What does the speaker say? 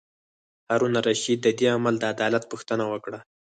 هارون الرشید د دې عمل د علت پوښتنه وکړه.